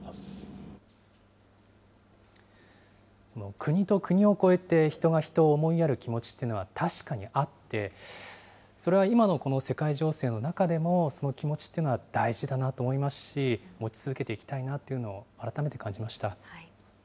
国と国をこえて人が人を思いやる気持ちっていうのは確かにあって、それは今のこの世界情勢の中でもその気持ちっていうのは大事だと思いますし、持ち続けていきたいなというのを改めて感じました。